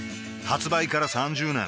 発売から３０年